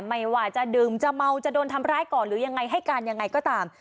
ไม่ว่าจะดื่มจะเมาจะโดนทำร้ายก่อนหรือยังไงให้การยังไงก็ตาม